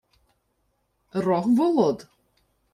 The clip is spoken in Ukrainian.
— Рогволод?